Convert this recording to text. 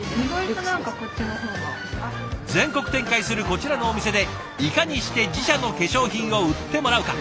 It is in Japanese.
全国展開するこちらのお店でいかにして自社の化粧品を売ってもらうか？